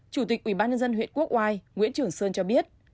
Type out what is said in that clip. chủ tịch ubnd huyện quốc oai nguyễn trường sơn cho biết